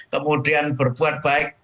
kemudian berbuat baik